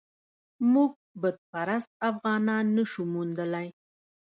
موږ بت پرست افغانان نه شو موندلای.